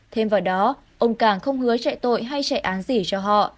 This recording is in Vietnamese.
thêm vào đó ông càng không hứa chạy tội hay chạy án gì cho họ